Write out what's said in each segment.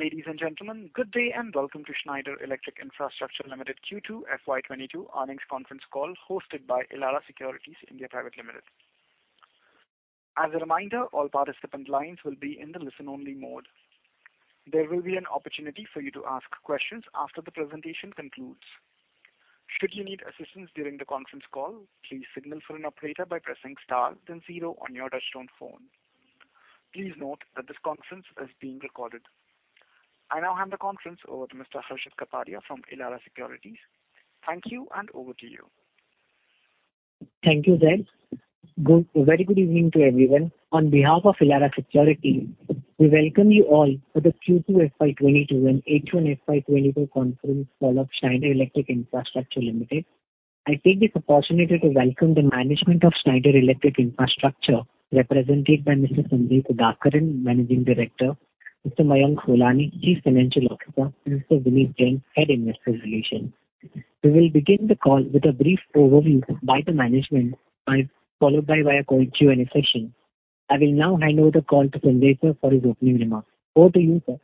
Ladies and gentlemen, good day, and welcome to Schneider Electric Infrastructure Limited Q2 FY 2022 earnings conference call hosted by Elara Securities (India) Private Limited. As a reminder, all participant lines will be in the listen-only mode. There will be an opportunity for you to ask questions after the presentation concludes. Should you need assistance during the conference call, please signal for an operator by pressing star then zero on your touchtone phone. Please note that this conference is being recorded. I now hand the conference over to Mr. Harshit Kapadia from Elara Securities. Thank you, and over to you. Thank you, Zach. Very good evening to everyone. On behalf of Elara Securities, we welcome you all for the Q2 FY 2022 and H1 FY 2022 conference call of Schneider Electric Infrastructure Limited. I take this opportunity to welcome the management of Schneider Electric Infrastructure, represented by Mr. Sanjay Sudhakaran, Managing Director, Mr. Mayank Holani, Chief Financial Officer, and Mr. Vineet Jain, Head Investor Relations. We will begin the call with a brief overview by the management followed by way of Q&A session. I will now hand over the call to Sanjay, sir for his opening remarks. Over to you, sir.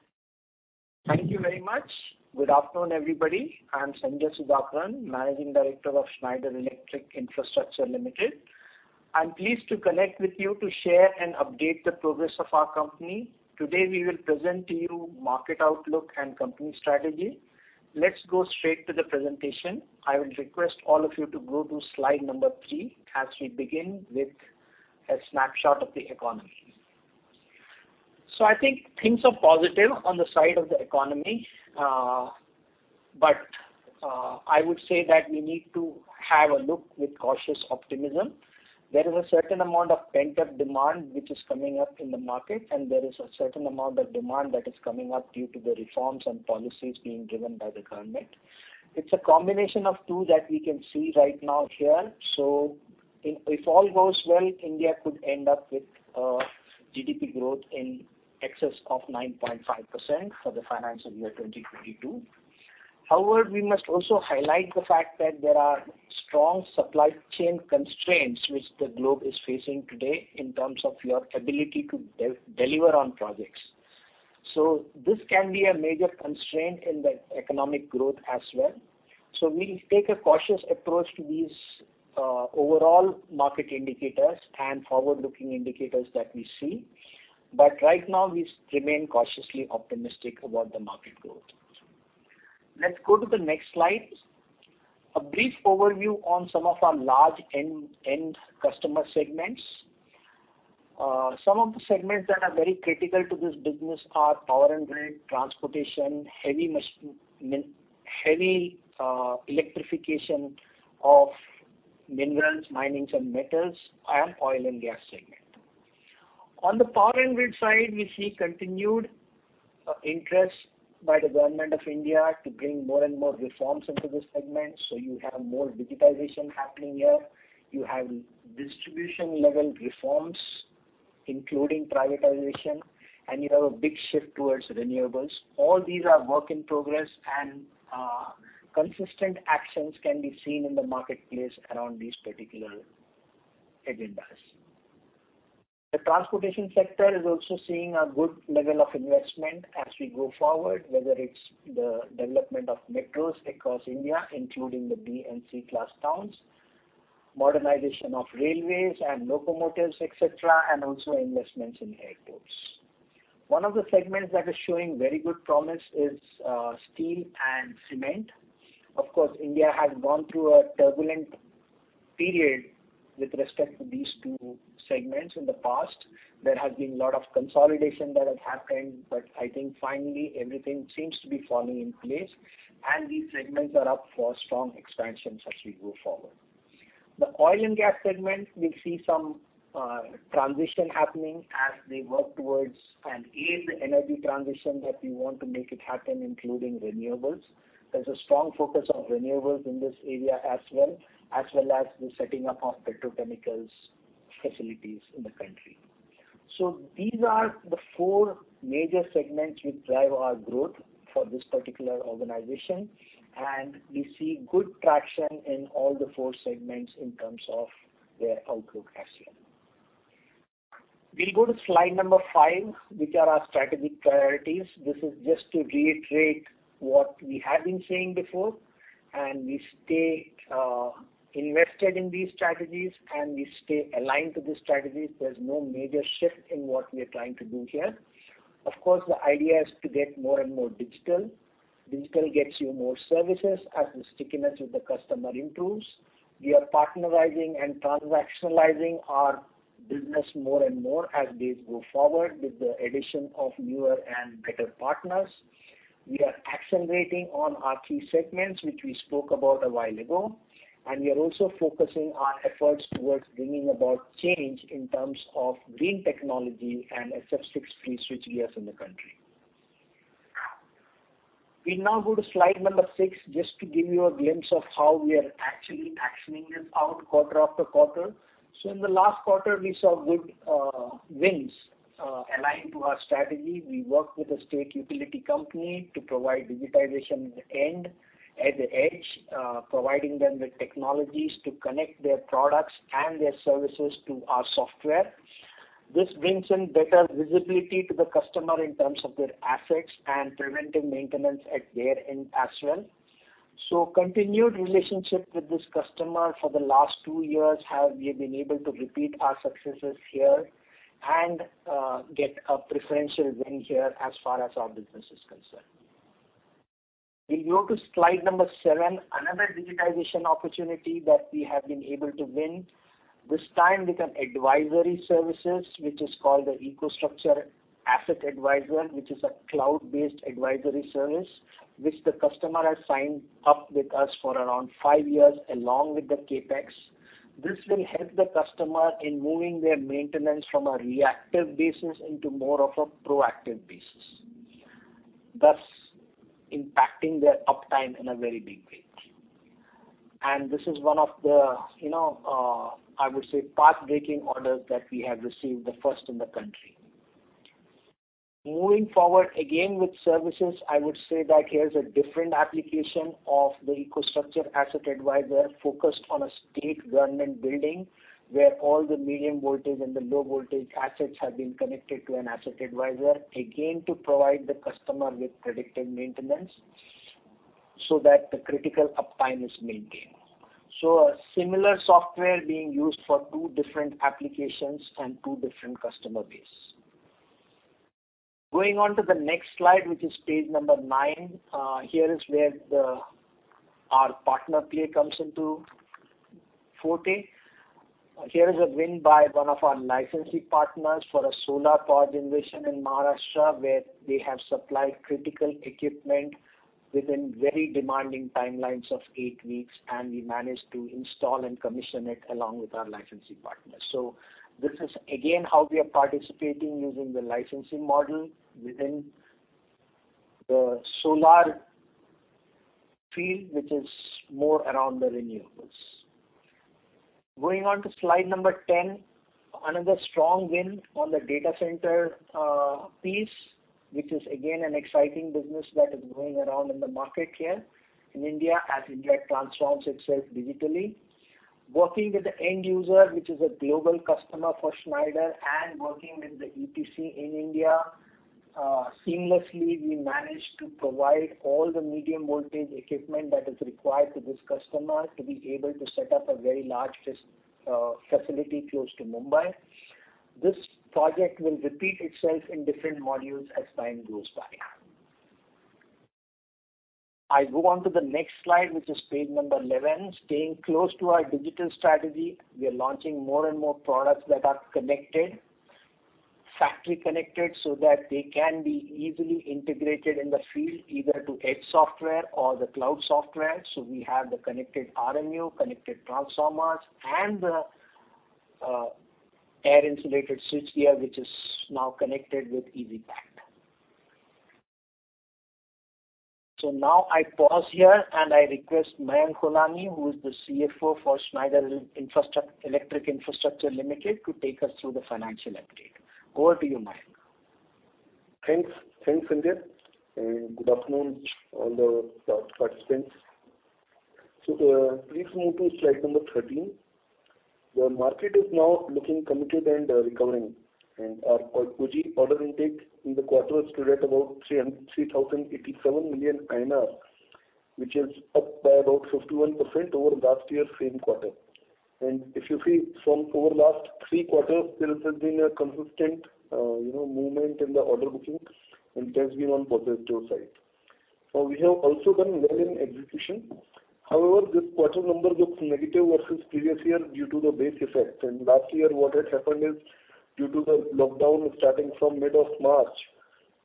Thank you very much. Good afternoon, everybody. I'm Sanjay Sudhakaran, Managing Director of Schneider Electric Infrastructure Limited. I'm pleased to connect with you to share and update the progress of our company. Today, we will present to you market outlook and company strategy. Let's go straight to the presentation. I will request all of you to go to slide number three as we begin with a snapshot of the economy. I think things are positive on the side of the economy, but I would say that we need to have a look with cautious optimism. There is a certain amount of pent-up demand which is coming up in the market, and there is a certain amount of demand that is coming up due to the reforms and policies being driven by the government. It's a combination of two that we can see right now here. If all goes well, India could end up with GDP growth in excess of 9.5% for the financial year 2022. However, we must also highlight the fact that there are strong supply chain constraints which the globe is facing today in terms of your ability to deliver on projects. This can be a major constraint in the economic growth as well. We take a cautious approach to these overall market indicators and forward-looking indicators that we see. Right now, we remain cautiously optimistic about the market growth. Let's go to the next slide. A brief overview on some of our large end customer segments. Some of the segments that are very critical to this business are power and grid, transportation, heavy electrification of minerals, mining and metals, and oil and gas segment. On the power and grid side, we see continued interest by the Government of India to bring more and more reforms into this segment, so you have more digitization happening here. You have distribution level reforms, including privatization, and you have a big shift towards renewables. All these are work in progress and consistent actions can be seen in the marketplace around these particular agendas. The transportation sector is also seeing a good level of investment as we go forward, whether it's the development of metros across India, including the B and C class towns, modernization of railways and locomotives, et cetera, and also investments in airports. One of the segments that is showing very good promise is steel and cement. Of course, India has gone through a turbulent period with respect to these two segments in the past. There has been lot of consolidation that has happened, but I think finally everything seems to be falling in place, and these segments are up for strong expansion as we go forward. The oil and gas segment, we see some transition happening as they work towards an aided energy transition that we want to make it happen, including renewables. There's a strong focus on renewables in this area as well, as well as the setting up of petrochemicals facilities in the country. These are the four major segments which drive our growth for this particular organization, and we see good traction in all the four segments in terms of their outlook as well. We'll go to slide number five, which are our strategic priorities. This is just to reiterate what we have been saying before, and we stay invested in these strategies, and we stay aligned to these strategies. There's no major shift in what we are trying to do here. Of course, the idea is to get more and more digital. Digital gets you more services as the stickiness with the customer improves. We are partnerizing and transactionalizing our business more and more as days go forward with the addition of newer and better partners. We are accelerating on our key segments, which we spoke about a while ago, and we are also focusing our efforts towards bringing about change in terms of green technology and SF6-free switchgears in the country. We now go to slide number six, just to give you a glimpse of how we are actually actioning this out quarter after quarter. In the last quarter, we saw good wins aligned to our strategy. We worked with a state utility company to provide digitization at the end, at the edge, providing them with technologies to connect their products and their services to our software. This brings in better visibility to the customer in terms of their assets and preventive maintenance at their end as well. Continued relationship with this customer for the last two years have we been able to repeat our successes here and get a preferential win here as far as our business is concerned. We go to slide number seven, another digitization opportunity that we have been able to win, this time with an advisory services, which is called the EcoStruxure Asset Advisor, which is a cloud-based advisory service, which the customer has signed up with us for around five years along with the CapEx. This will help the customer in moving their maintenance from a reactive basis into more of a proactive basis, thus impacting their uptime in a very big way. This is one of the, you know, I would say, path-breaking orders that we have received, the first in the country. Moving forward, again with services, I would say that here's a different application of the EcoStruxure Asset Advisor focused on a state government building, where all the medium voltage and the low voltage assets have been connected to an Asset Advisor, again, to provide the customer with predictive maintenance so that the critical uptime is maintained. A similar software being used for two different applications and two different customer base. Going on to the next slide, which is page number nine. Here is where our partner play comes into play. Here is a win by one of our licensing partners for a solar power generation in Maharashtra, where we have supplied critical equipment within very demanding timelines of eight weeks, and we managed to install and commission it along with our licensing partner. This is again how we are participating using the licensing model within the solar field, which is more around the renewables. Going on to slide number 10, another strong win on the data center piece, which is, again, an exciting business that is growing around in the market here in India as India transforms itself digitally. Working with the end user, which is a global customer for Schneider, and working with the EPC in India seamlessly, we managed to provide all the medium voltage equipment that is required for this customer to be able to set up a very large facility close to Mumbai. This project will repeat itself in different modules as time goes by. I go on to the next slide, which is page number 11. Staying close to our digital strategy, we are launching more and more products that are connected, factory connected, so that they can be easily integrated in the field, either to edge software or the cloud software. We have the connected RMU, connected transformers, and the air insulated switchgear, which is now connected with EasyPact. Now I pause here, and I request Mayank Holani, who is the CFO for Schneider Electric Infrastructure Limited, to take us through the financial update. Over to you, Mayank. Thanks. Thanks, Sanjay. Good afternoon all the participants. Please move to slide number 13. The market is now looking committed and recovering. Our OI, order intake, in the quarter stood at about 3,087 million INR, which is up by about 51% over last year same quarter. If you see from over last three quarters, there has been a consistent you know movement in the order bookings, and it has been on positive side. We have also done well in execution. However, this quarter number looks negative versus previous year due to the base effect. Last year, what had happened is, due to the lockdown starting from mid of March,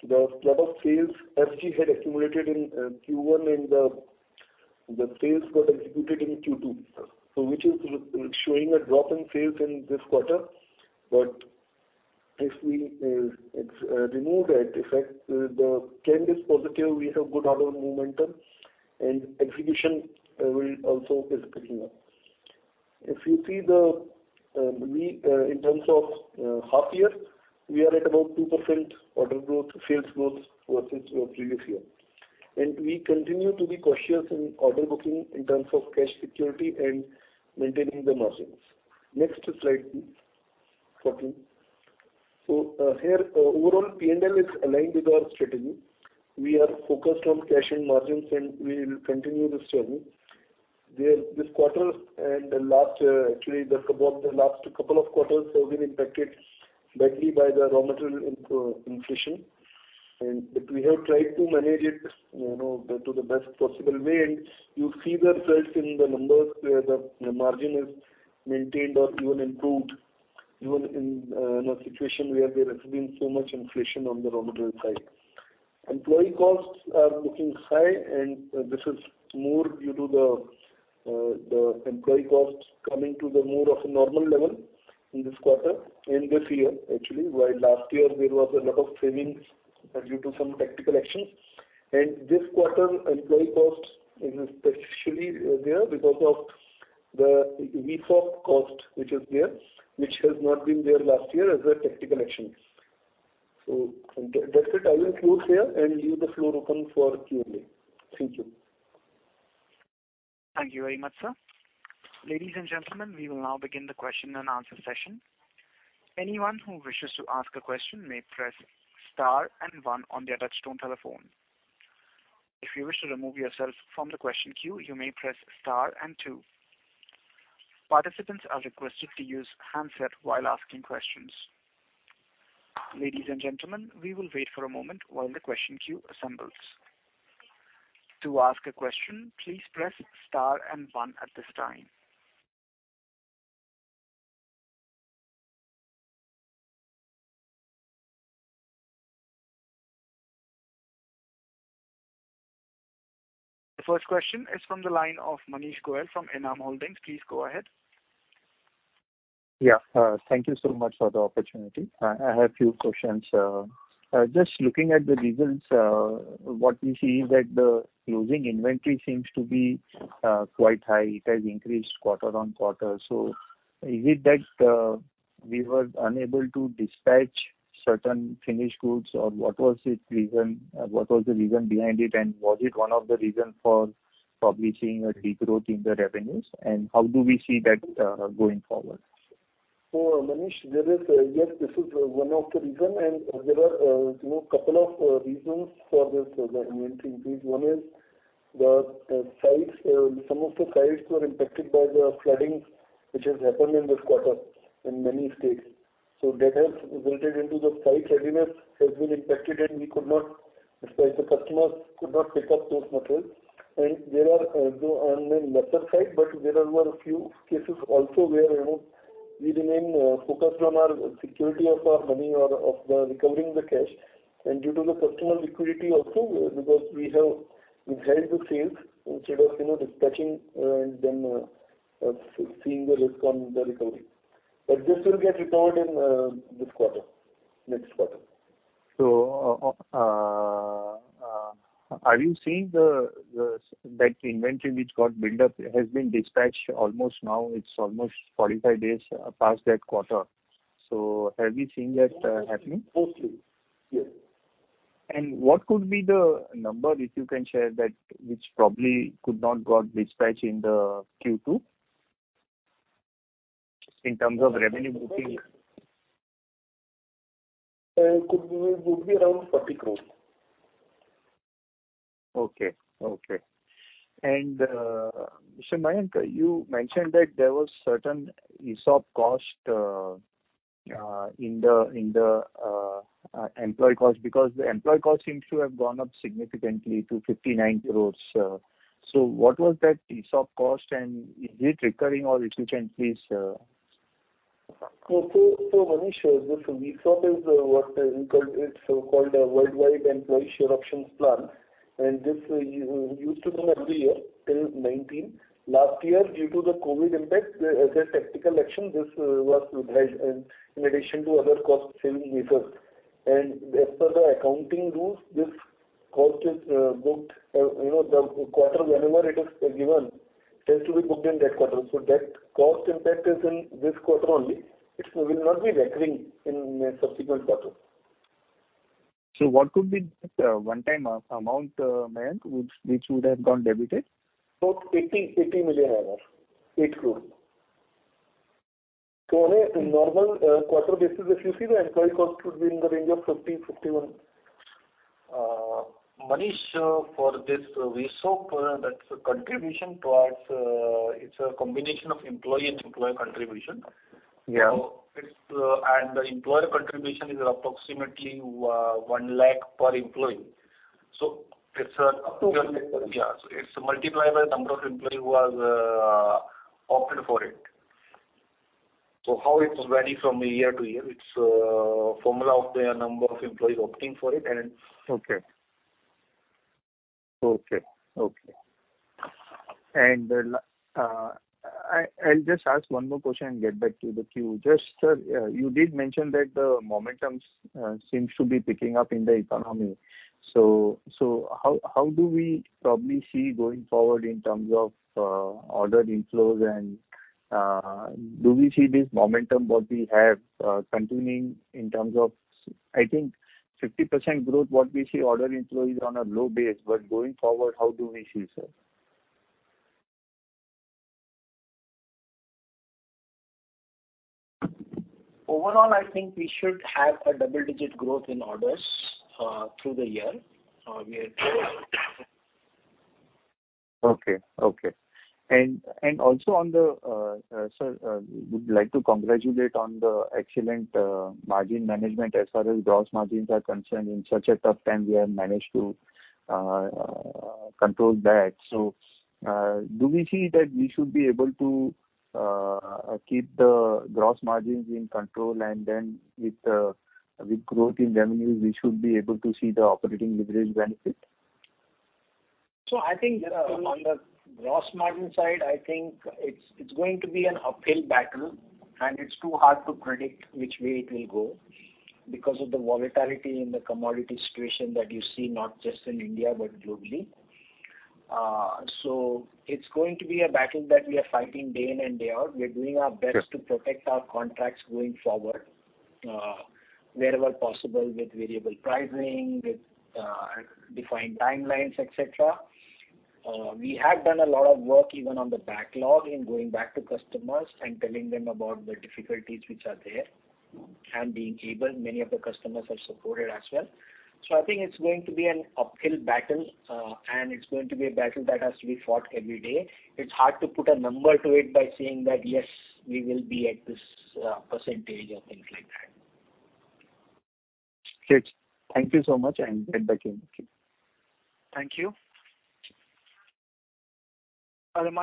a lot of sales SG&A had accumulated in Q1, and the sales got executed in Q2. Showing a drop in sales in this quarter. If we remove that effect, the trend is positive. We have good order momentum, and execution will also is picking up. If you see the in terms of half year, we are at about 2% order growth, sales growth versus your previous year. We continue to be cautious in order booking in terms of cash security and maintaining the margins. Next slide, please, 14. Here, overall P&L is aligned with our strategy. We are focused on cash and margins, and we will continue this journey. This quarter and the last, actually, about the last couple of quarters have been impacted badly by the raw material inflation. We have tried to manage it, you know, to the best possible way. You see the results in the numbers where the margin is maintained or even improved, even in a situation where there has been so much inflation on the raw material side. Employee costs are looking high, and this is more due to the employee costs coming to the more of a normal level in this quarter, in this year, actually. While last year, there was a lot of savings due to some tactical actions. This quarter, employee costs is especially there because of the VSS cost which is there, which has not been there last year as a tactical action. That's it. I will close here and leave the floor open for Q&A. Thank you. Thank you very much, sir. Ladies and gentlemen, we will now begin the question and answer session. Anyone who wishes to ask a question may press star and one on their touch-tone telephone. If you wish to remove yourself from the question queue, you may press star and two. Participants are requested to use handset while asking questions. Ladies and gentlemen, we will wait for a moment while the question queue assembles. To ask a question, please press star and one at this time. The first question is from the line of Manish Goel from Enam Holdings. Please go ahead. Yeah. Thank you so much for the opportunity. I have few questions. Just looking at the results, what we see is that the closing inventory seems to be quite high. It has increased quarter-over-quarter. Is it that we were unable to dispatch certain finished goods, or what was its reason? What was the reason behind it, and was it one of the reason for probably seeing a decline in the revenues? How do we see that going forward? Manish, this is one of the reasons, and there are, you know, couple of reasons for this inventory increase. One is the sites. Some of the sites were impacted by the flooding which has happened in this quarter in many states. That has resulted into the site readiness has been impacted, and we could not dispatch. The customers could not pick up those materials. On the latter side, but there were a few cases also where, you know, we remain focused on our security of our money or of recovering the cash. Due to the customer security also, because we have withheld the sales instead of, you know, dispatching and then seeing the risk on the recovery. This will get recovered in this quarter, next quarter. Are you seeing that inventory which got built up has been dispatched almost now? It's almost 45 days past that quarter. Have you seen that happening? Mostly, yes. What could be the number, if you can share that, which probably could not get dispatched in the Q2, in terms of revenue booking? Could be, would be around INR 30 crore. Okay. Mayank, you mentioned that there was certain ESOP cost in the employee cost because the employee cost seems to have gone up significantly to 59 crores. What was that ESOP cost, and is it recurring or if you can please. Manish, this ESOP is what we call; it's called a worldwide employee share options plan, and this used to run every year till 2019. Last year, due to the COVID impact, as a tactical action, this was withheld in addition to other cost-saving measures. As per the accounting rules, this cost is booked in the quarter whenever it is given, you know; it has to be booked in that quarter. That cost impact is in this quarter only. It will not be recurring in subsequent quarter. What could be that one-time amount, Mayank, which would have got debited? About $80 million. INR 8 crore. On a normal quarter basis, if you see the employee cost would be in the range of 50-51. Manish, for this ESOP, that's a contribution towards. It's a combination of employee and employer contribution. Yeah. The employer contribution is approximately 1 lakh per employee. Okay. Yeah. It's multiplied by the number of employee who has opted for it. How it vary from year to year, it's formula of the number of employees opting for it and. Okay. I'll just ask one more question and get back to the queue. Just, you did mention that the momentum seems to be picking up in the economy. How do we probably see going forward in terms of order inflows and do we see this momentum what we have continuing in terms of I think 50% growth what we see order inflow is on a low base, but going forward, how do we see, sir? Overall, I think we should have a double-digit growth in orders, through the year. We are- Also, sir, would like to congratulate on the excellent margin management as far as gross margins are concerned. In such a tough time, we have managed to control that. Do we see that we should be able to keep the gross margins in control, and then with growth in revenues, we should be able to see the operating leverage benefit? I think on the gross margin side, I think it's going to be an uphill battle, and it's too hard to predict which way it will go because of the volatility in the commodity situation that you see, not just in India, but globally. It's going to be a battle that we are fighting day in and day out. We're doing our best. Sure. To protect our contracts going forward, wherever possible, with variable pricing, with, defined timelines, et cetera. We have done a lot of work even on the backlog in going back to customers and telling them about the difficulties which are there and being able, many of the customers have supported as well. I think it's going to be an uphill battle, and it's going to be a battle that has to be fought every day. It's hard to put a number to it by saying that, "Yes, we will be at this, percentage," or things like that. Great. Thank you so much, and get back in. Thank you. Next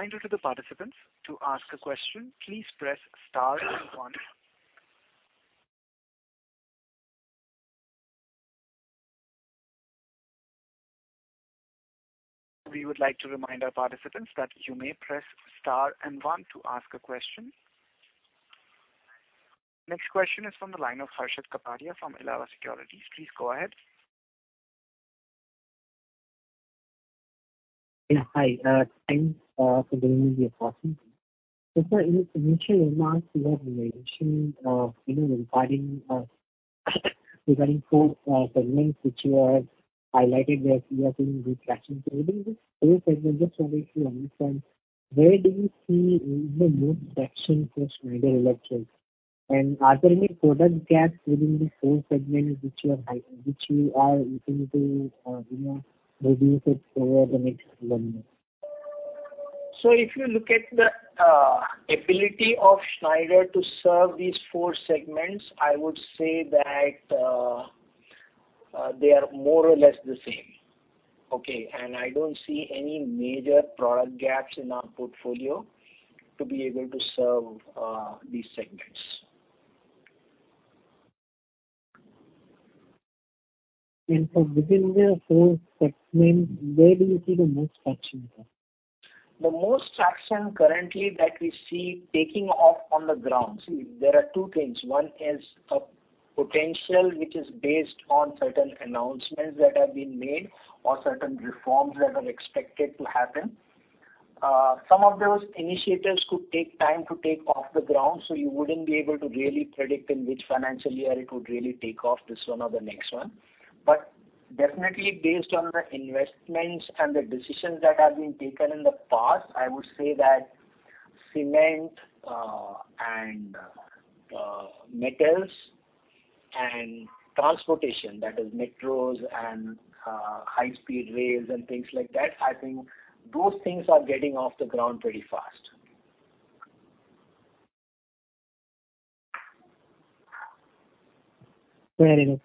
question is from the line of Harshit Kapadia from Elara Securities. Please go ahead. Hi. Thanks for giving me the opportunity. Just, sir, in initial remarks you have mentioned, you know, regarding four segments which you have highlighted that you are seeing good traction. Within these four segments, just wanted to understand, where do you see, you know, most traction for Schneider Electric? Are there any product gaps within these four segments which you are looking to, you know, reduce it over the next couple of months? If you look at the ability of Schneider to serve these four segments, I would say that they are more or less the same. Okay. I don't see any major product gaps in our portfolio to be able to serve these segments. Sir, within these four segments, where do you see the most traction, sir? The most traction currently that we see taking off on the ground. See, there are two things. One is a potential which is based on certain announcements that have been made or certain reforms that are expected to happen. Some of those initiatives could take time to take off the ground, so you wouldn't be able to really predict in which financial year it would really take off, this one or the next one. Definitely based on the investments and the decisions that have been taken in the past, I would say that cement, and metals and transportation, that is metros and high speed rails and things like that, I think those things are getting off the ground pretty fast. Fair enough,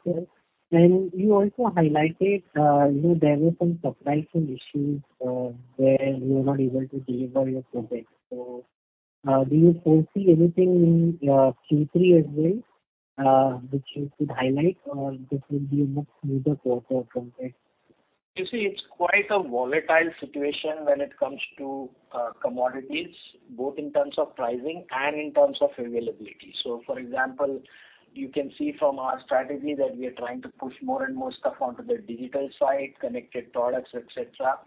sir. You also highlighted, you know, there were some supply chain issues, where you were not able to deliver your projects. Do you foresee anything in Q3 as well, which you could highlight, this will be a much smoother quarter from that? You see, it's quite a volatile situation when it comes to commodities, both in terms of pricing and in terms of availability. For example, you can see from our strategy that we are trying to push more and more stuff onto the digital side, connected products, et cetera.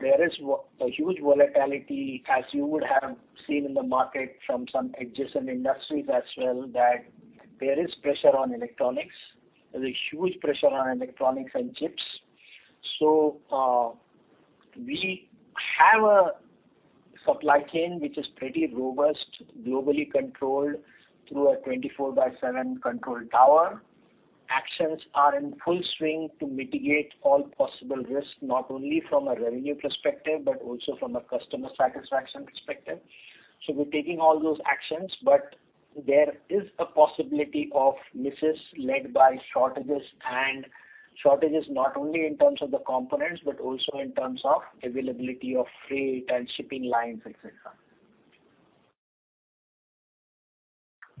There is a huge volatility as you would have seen in the market from some adjacent industries as well that there is pressure on electronics. There's a huge pressure on electronics and chips. We have a supply chain which is pretty robust, globally controlled through a 24 by 7 control tower. Actions are in full swing to mitigate all possible risks, not only from a revenue perspective, but also from a customer satisfaction perspective. We're taking all those actions, but there is a possibility of misses led by shortages not only in terms of the components, but also in terms of availability of freight and shipping lines, et cetera. Fair enough, sir. Within the order inflow which we have announced for Q2, you said INR 310 million, would you be able to share, you know, which are the sectors where you've seen the highest growth?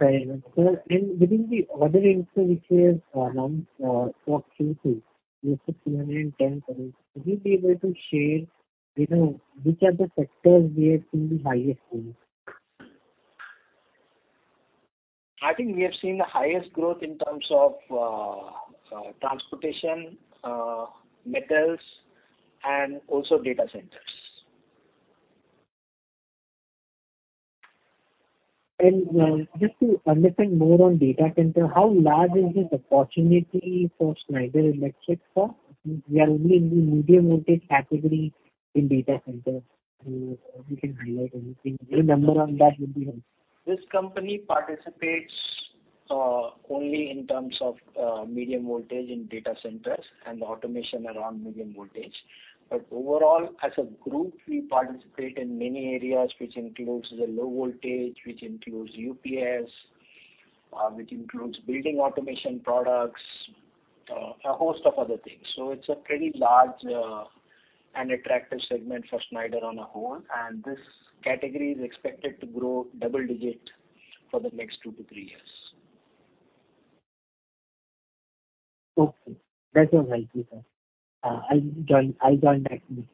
I think we have seen the highest growth in terms of transportation, metals and also data centers. Just to understand more on data center, how large is this opportunity for Schneider Electric, sir? We are only in the medium voltage category in data center. If you can highlight anything, any number on that would be helpful. This company participates only in terms of medium voltage in data centers and automation around medium voltage. Overall, as a group, we participate in many areas which includes the low voltage, which includes UPS, which includes building automation products, a host of other things. It's a pretty large and attractive segment for Schneider on our own, and this category is expected to grow double-digit for the next two to three years. Okay. That's all right, sir. I'll join back in.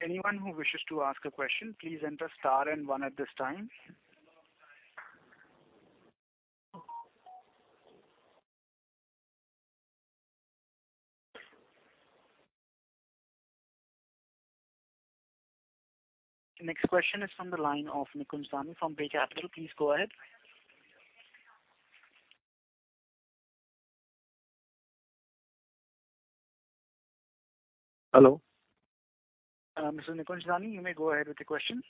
The next question is from the line of Nikunj Doshi from Bajaj Capital. Please go ahead. Hello. Mr. Nikunj Doshi, you may go ahead with your question.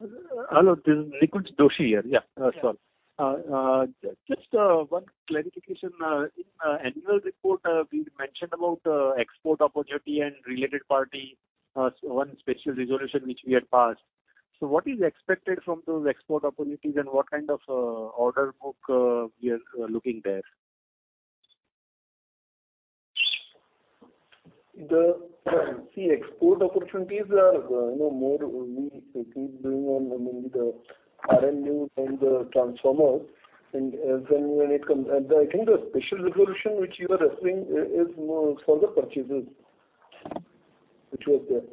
Hello, this is Nikunj Doshi here. Yeah, sorry. Yeah. Just one clarification. In annual report, we mentioned about export opportunity and related party, so one special resolution which we had passed. What is expected from those export opportunities and what kind of order book we are looking there? The key export opportunities are more we keep doing on mainly the RMU and the transformers. When it comes, I think the special resolution which you are referring is more for the purchases which was there.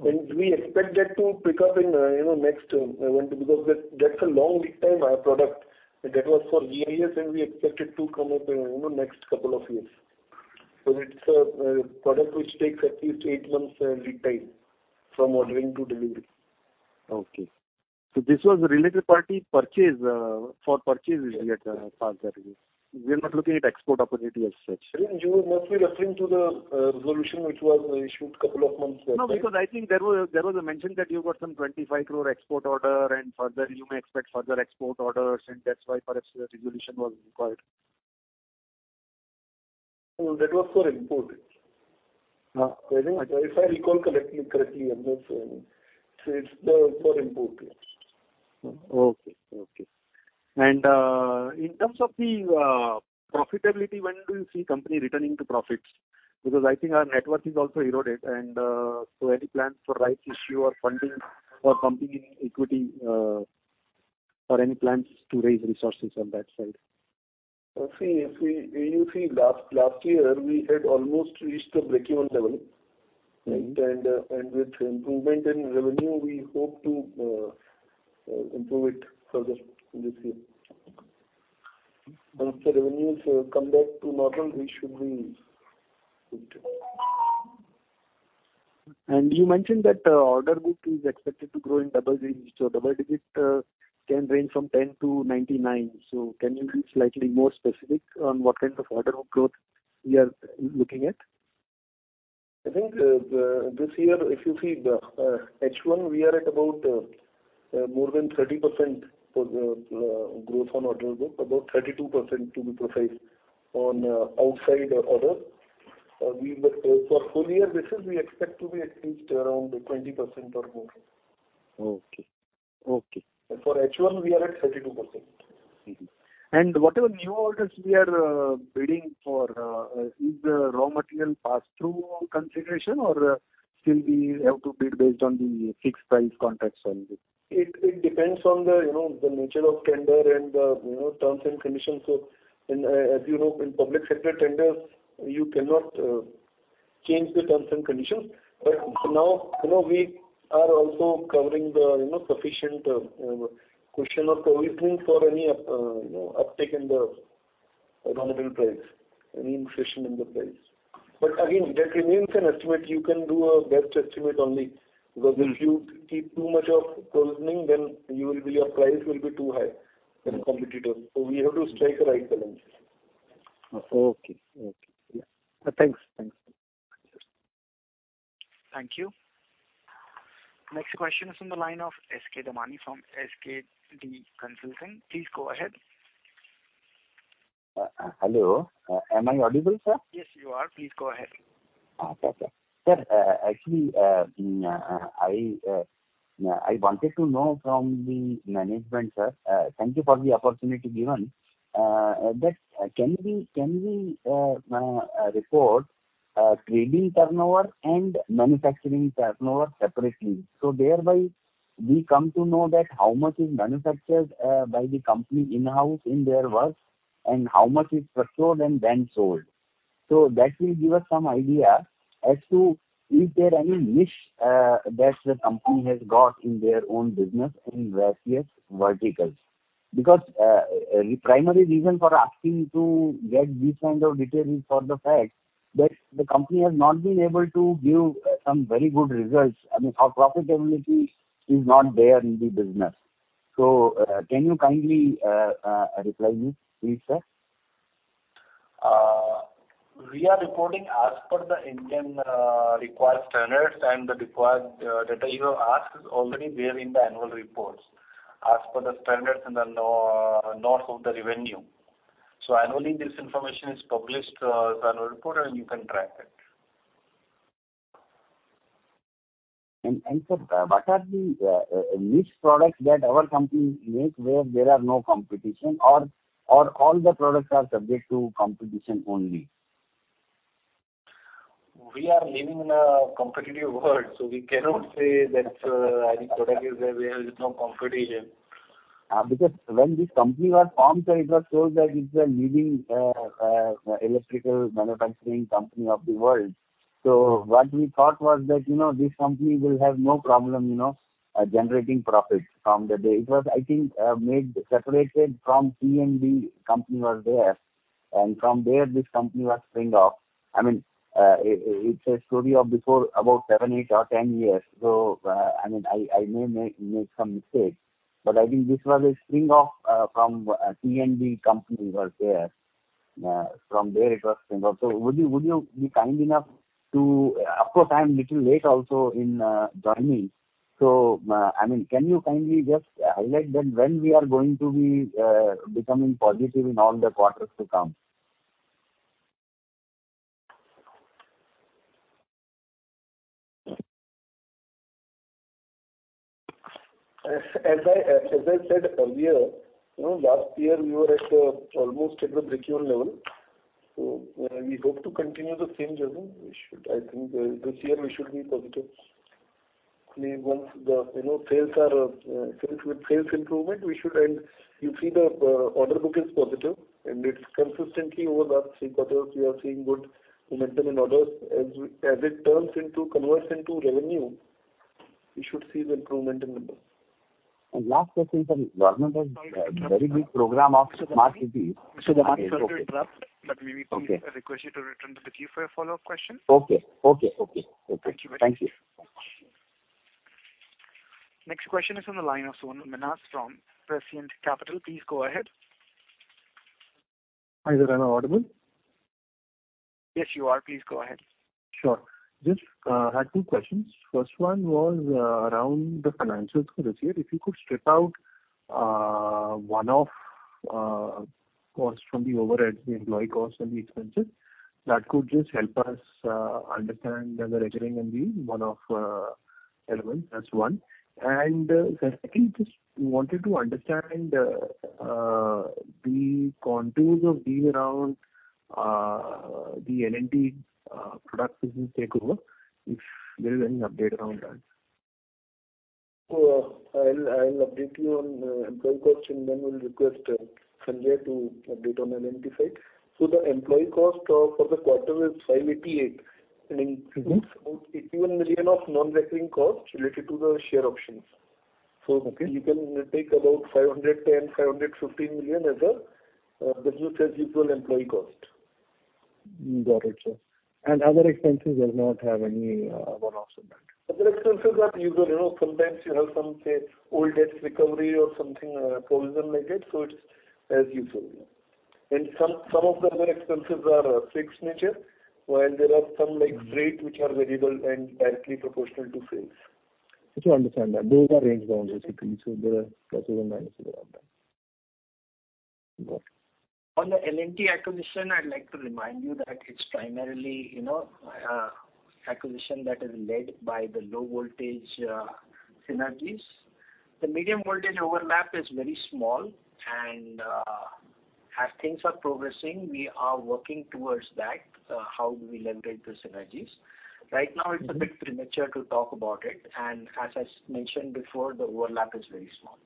Okay. We expect that to pick up in, you know, next term. Because that's a long lead time, our product. That was for GIS, and we expect it to come up in, you know, next couple of years. So it's a product which takes at least eight months lead time from ordering to delivery. Okay. This was a related party purchase, for purchases we had passed that resolution. We are not looking at export opportunity as such. I think you must be referring to the resolution which was issued couple of months back. No, because I think there was a mention that you got some 25 crore export order and further you may expect further export orders, and that's why perhaps the resolution was required. No, that was for import. Okay. If I recall correctly, I'm not saying. It's the form for import purpose. In terms of the profitability, when do you see the company returning to profits? Because I think our net worth is also eroded, so any plans for rights issue or funding for company equity, or any plans to raise resources on that side? When you see last year, we had almost reached a break-even level. Mm-hmm. Right? With improvement in revenue, we hope to improve it further in this year. Okay. Once the revenues come back to normal, we should be good. You mentioned that order book is expected to grow in double digits. Double digit can range from 10 to 99. Can you be slightly more specific on what kind of order book growth we are looking at? I think this year, if you see the H1, we are at about more than 30% for the growth on order book, about 32% to be precise on outstanding order. For full year basis, we expect to be at least around 20% or more. Okay. Okay. For H1 we are at 32%. Whatever new orders we are bidding for, is the raw material pass-through consideration or still we have to bid based on the fixed price contracts only? It depends on the, you know, the nature of tender and, you know, terms and conditions. In, as you know, in public sector tenders, you cannot change the terms and conditions. For now, you know, we are also covering the, you know, sufficient cushion or provisioning for any uptick in the raw material price, any inflation in the price. Again, that remains an estimate. You can do a best estimate only because if you keep too much of cushioning, then you will be. Your price will be too high than competitor. We have to strike a right balance. Okay. Yeah. Thanks. Thank you. Next question is from the line of SK Damani from SKD Consultants. Please go ahead. Hello, am I audible, sir? Yes, you are. Please go ahead. Okay, sir. Sir, actually, I wanted to know from the management, sir. Thank you for the opportunity given. That, can we report trading turnover and manufacturing turnover separately? Thereby we come to know that how much is manufactured by the company in-house in their works and how much is procured and then sold. That will give us some idea as to is there any niche that the company has got in their own business in various verticals. Because the primary reason for asking to get this kind of detail is for the fact that the company has not been able to give some very good results. I mean, our profitability is not there in the business. Can you kindly reply me please, sir? We are reporting as per the Indian required standards, and the required data you have asked is already there in the annual reports as per the standards and the norms of the revenue. Annually this information is published in the annual report and you can track it. Sir, what are the niche products that our company makes where there are no competition or all the products are subject to competition only? We are living in a competitive world, so we cannot say that any product is there where there is no competition. Because when this company was formed, sir, it was told that it's a leading electrical manufacturing company of the world. What we thought was that, you know, this company will have no problem, you know, generating profits from the day. It was, I think, separated from T&D company was there. From there, this company was spin off. I mean, it's a story of before about seven, eight or 10 years. I mean, I may make some mistakes, but I think this was a spin off from L&T company was there. From there it was spin-off. Would you be kind enough to? Of course, I'm little late also in joining. I mean, can you kindly just highlight that when we are going to be becoming positive in all the quarters to come? As I said earlier, you know, last year we were almost at the breakeven level. We hope to continue the same journey. I think this year we should be positive. I mean, once the, you know, sales are with sales improvement, we should end. You see the order book is positive and it's consistently over the last three quarters, we are seeing good momentum in orders. As it turns into conversion to revenue, we should see the improvement in numbers. Last question from the government was a very big program of Smart City. Sorry to interrupt. Yes, okay. Sorry to interrupt, but may we kindly request you to return to the queue for your follow-up question? Okay. Thank you very much. Thank you. Next question is on the line of Sonal Minhas from Prescient Capital. Please go ahead. Hi there. Am I audible? Yes, you are. Please go ahead. Sure. Just had two questions. First one was around the financials for this year. If you could strip out one-off costs from the overheads, the employee costs and the expenses, that could just help us understand the recurring and the one-off elements. That's one. Secondly, just wanted to understand the contours of deal around the L&T product business takeover, if there's any update around that. I'll update you on employee cost, and then we'll request Sanjay to update on L&T side. The employee cost for the quarter is 588 million and includes about 81 million of non-recurring costs related to the share options. Okay. You can take about 510 million-515 million as a business as usual employee cost. Got it, sir. Other expenses does not have any one-offs in that? Other expenses are usual. You know, sometimes you have some, say, old debts recovery or something, provision they get, so it's as usual. Some of the other expenses are fixed nature, while there are some like freight which are variable and directly proportional to sales. Good to understand that. Those are range bounds basically, so there are pluses and minuses around that. Got it. On the L&T acquisition, I'd like to remind you that it's primarily, you know, acquisition that is led by the low voltage synergies. The medium voltage overlap is very small and, as things are progressing, we are working towards that, how do we leverage the synergies. Right now it's a bit premature to talk about it, and as I mentioned before, the overlap is very small.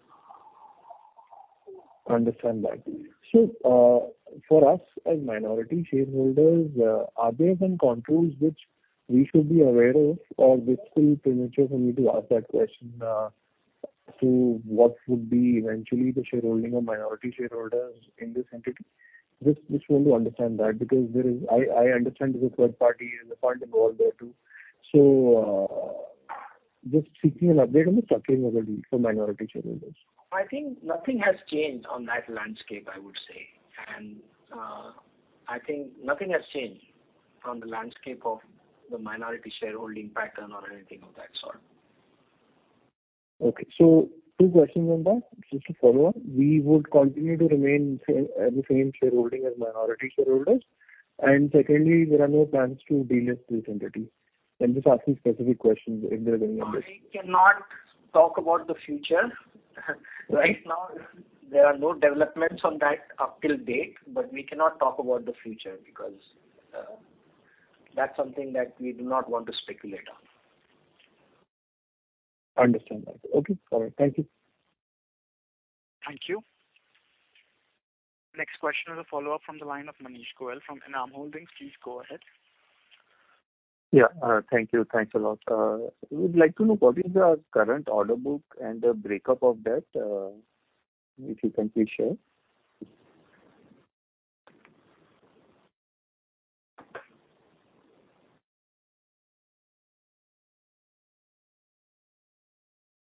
Understand that. For us as minority shareholders, are there some controls which we should be aware of, or it's still premature for me to ask that question, to what would be eventually the shareholding of minority shareholders in this entity? Just want to understand that because I understand there's a third party and the funding board there too. Just seeking an update on the structure of the deal for minority shareholders. I think nothing has changed on that landscape, I would say. I think nothing has changed from the landscape of the minority shareholding pattern or anything of that sort. Okay. Two questions on that. Just to follow up, we would continue to remain at the same shareholding as minority shareholders. Secondly, there are no plans to delist this entity. I'm just asking specific questions if there are any updates. We cannot talk about the future. Right now there are no developments on that up to date, but we cannot talk about the future because that's something that we do not want to speculate on. Understand that. Okay, got it. Thank you. Thank you. Next question is a follow-up from the line of Manish Goel from Enam Holdings. Please go ahead. Yeah. Thank you. Thanks a lot. We would like to know what is the current order book and the breakup of that, if you can please share.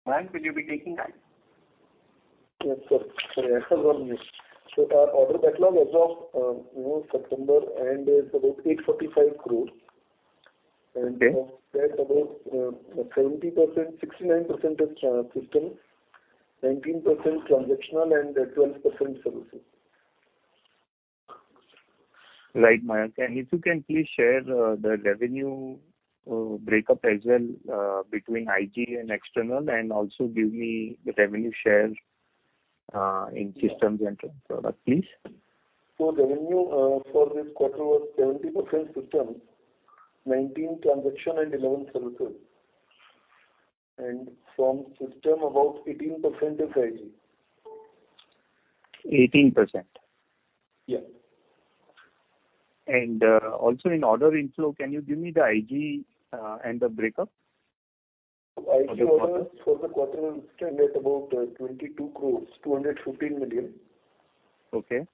Mayank, will you be taking that? Yes, sir. Sorry, I was on mute. Our order backlog as of September end is about 845 crores. Okay. Of that about 70%, 69% is systems, 19% transactional and 12% services. Right, Mayank. If you can please share the revenue breakup as well between IG and external, and also give me the revenue share in systems and product, please. Revenue for this quarter was 70% system, 19% transaction and 11% services. From system about 18% is IG. 18%? Yes. Also in order inflow, can you give me the IG and the breakup? IG orders for the quarter stand at about 43.5 crores. Okay.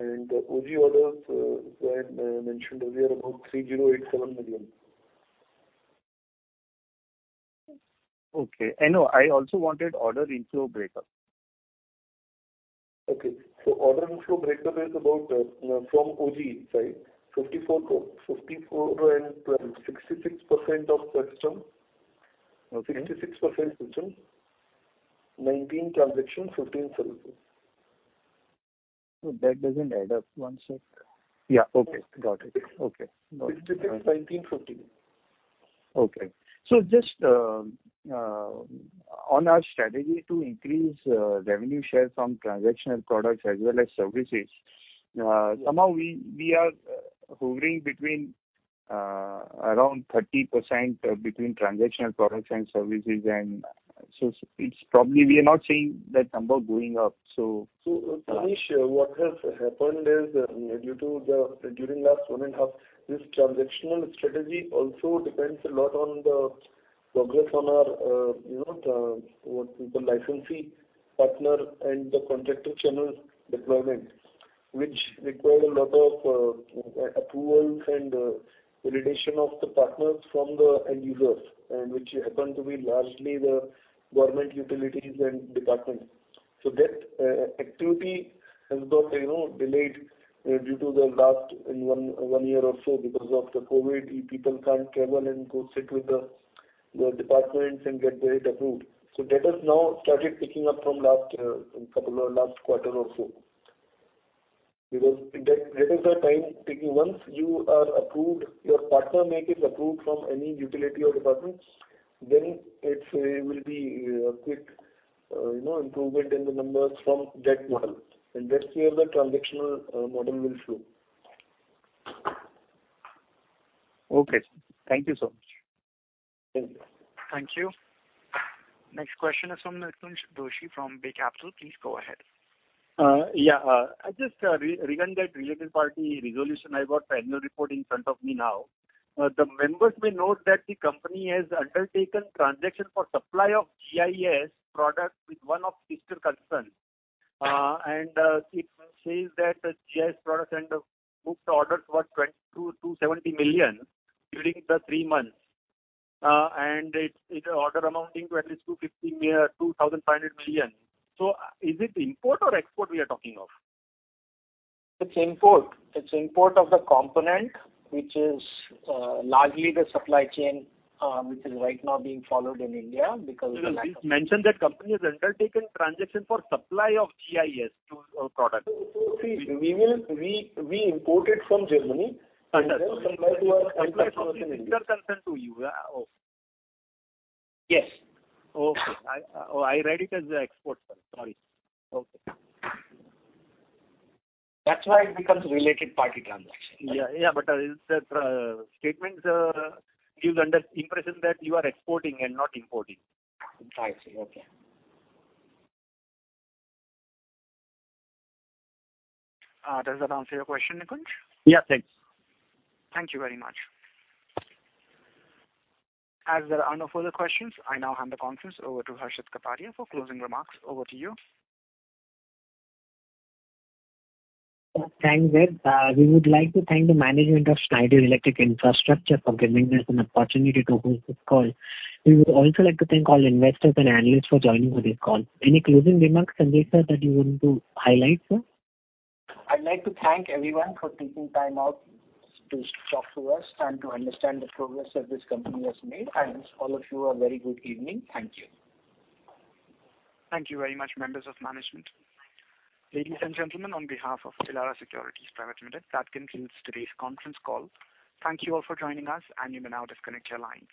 OG orders, as I mentioned earlier, about 3,087 million. Okay. I also wanted order inflow breakup. Order inflow breakup is about, from OG side, 54 crore. 54 and 12. 66% of customer. Okay. 66% custom. 19% transaction, 15% services. No, that doesn't add up. One sec. Yeah. Okay. Got it. Okay. It's 15%, 19%, 14%. Okay. Just on our strategy to increase revenue shares from transactional products as well as services, somehow we are hovering between around 30% between transactional products and services. It's probably we are not seeing that number going up. Manish, what has happened is, due to the-- during last one and half, this transactional strategy also depends a lot on the progress on our, you know, the, what we call licensee partner and the contractor channel deployment, which require a lot of, approvals and, validation of the partners from the end users, and which happen to be largely the government utilities and departments. That activity has got, you know, delayed, due to the last one year or so because of the COVID. People can't travel and go sit with the departments and get that approved. That has now started picking up from last couple or last quarter or so. Because that is the time taking. Once you are approved, your partner make it approved from any utility or department, then it will be a quick, you know, improvement in the numbers from that model. That's where the transactional model will flow. Okay. Thank you so much. Thank you. Thank you. Next question is from Nikunj Doshi from Bay Capital. Please go ahead. I just re-read that related party resolution. I got the annual report in front of me now. The members may note that the company has undertaken transaction for supply of GIS product with one of sister concern. It says that the GIS product and the booked orders were 22 million-70 million during the three months. Its order amounting to at least 2,500 million. So is it import or export we are talking of? It's import of the component, which is largely the supply chain, which is right now being followed in India because of the lack of- You mentioned that company has undertaken transaction for supply of GIS to a project. We will import it from Germany. Understood. Supply to our customer- From sister concern to you. Yes. Okay. I read it as export. Sorry. Okay. That's why it becomes related party transaction. Yeah. Yeah, but is that statement gives the impression that you are exporting and not importing? I see. Okay. Does that answer your question, Nikunj? Yeah. Thanks. Thank you very much. As there are no further questions, I now hand the conference over to Harshit Kapadia for closing remarks. Over to you. Thanks. We would like to thank the management of Schneider Electric Infrastructure for giving us an opportunity to host this call. We would also like to thank all investors and analysts for joining today's call. Any closing remarks, Sanjay sir, that you want to highlight, sir? I'd like to thank everyone for taking time out to talk to us and to understand the progress that this company has made. I wish all of you a very good evening. Thank you. Thank you very much, members of management. Ladies and gentlemen, on behalf of Elara Securities Private Limited, that concludes today's conference call. Thank you all for joining us and you may now disconnect your lines.